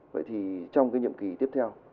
vậy thì trong cái nhiệm kỳ tiếp theo